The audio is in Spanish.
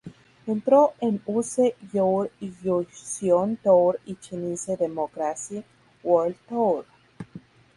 Entró en Use Your Illusion Tour y Chinese Democracy World Tour.